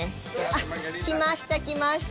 あっ、来ました、来ました。